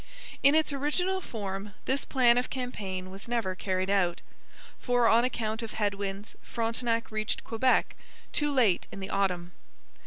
In its original form this plan of campaign was never carried out, for on account of head winds Frontenac reached Quebec too late in the autumn.